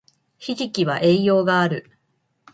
ひじきは栄養がある